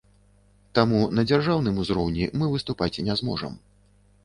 Таму на дзяржаўным узроўні мы выступаць не зможам.